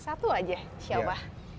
satu aja siapa